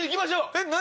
えっ何？